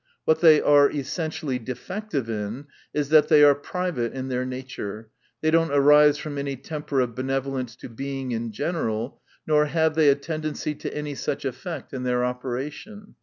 What they are essentially defective in, is, that they are private in their nature, they do not arise from any temper of benevolence to Being in o eneral, nor have they a tendency to any such effect in their operation.